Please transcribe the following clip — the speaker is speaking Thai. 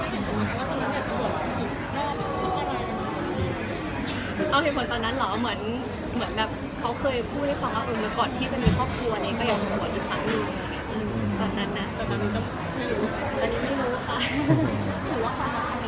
แหว่งผมครับผมอยู่หนึ่งตอนนั้นครับ